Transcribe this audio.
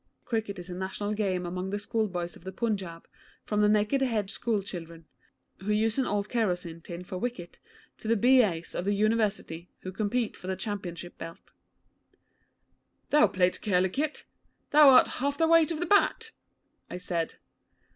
Cricket is the national game among the school boys of the Punjab, from the naked hedge school children, who use an old kerosine tin for wicket, to the B.A.'s of the University, who compete for the Championship belt. 'Thou play kerlikit! Thou art half the weight of the bat!' I said.